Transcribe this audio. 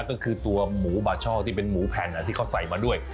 ก็คือตัวหมูบาช่อที่เป็นหมูแผ่นที่เขาใส่มาด้วย